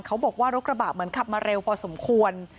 เขาบอกว่ารถกระบะเหมือนขับมาเร็วพอสมควร